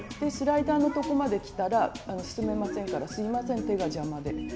スライダーのとこまできたら進めませんからすいません手が邪魔で。